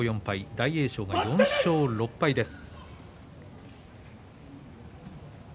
大栄翔が４勝６敗です。